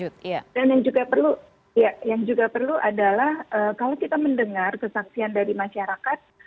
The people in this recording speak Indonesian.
dan yang juga perlu adalah kalau kita mendengar kesaksian dari masyarakat